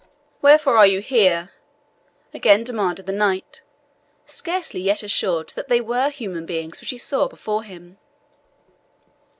"Wherefore are you here?" again demanded the knight, scarcely yet assured that they were human beings which he saw before him.